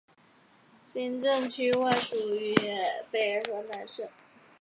该地在行政区划上属于北荷兰省。